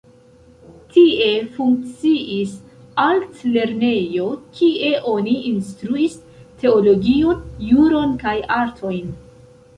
Tie funkciis altlernejo, kie oni instruis teologion, juron kaj artojn.